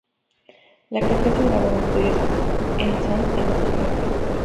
La canción se grabó en estudios Henson en Los Ángeles, California.